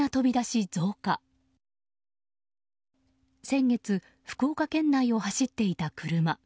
先月、福岡県内を走っていた車。